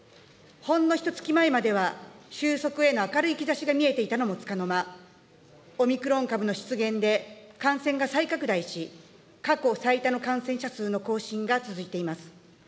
ほんのひとつき前までは収束への明るい兆しが見えていたのもつかの間、オミクロン株の出現で感染が再拡大し、過去最多の感染者数の更新が続いています。